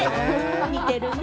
似ているね。